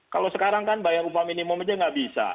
kalau sekarang kan bayar upah minimum aja nggak bisa